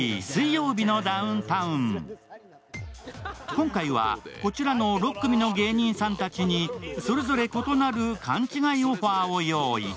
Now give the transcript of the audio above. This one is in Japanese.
今回はこちらの６組の芸人さんたちにそれぞれ異なる勘違いオファーを用意。